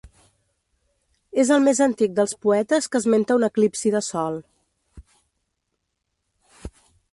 És el més antic dels poetes que esmenta un eclipsi de sol.